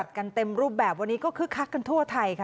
กันเต็มรูปแบบวันนี้ก็คึกคักกันทั่วไทยค่ะ